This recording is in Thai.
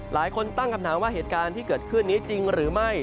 หลายคนตั้งคำถามว่าเหตุการณ์ที่เกิดขึ้นนี้จริงหรือไม่